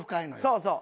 そうそう。